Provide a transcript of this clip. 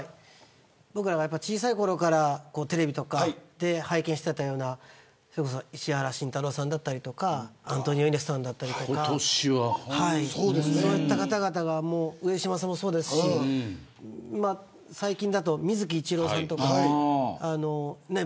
僕は小さいころからテレビとかで拝見していたような石原慎太郎さんだったりとかアントニオ猪木さんだったりとかそういった方々が上島さんもそうですし最近だと水木一郎さんとかも。